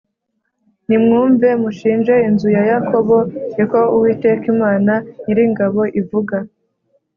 Nimwumve, mushinje inzu ya Yakobo.” Ni ko Uwiteka Imana Nyiringabo ivuga.